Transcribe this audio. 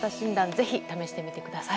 ぜひ試してみてください。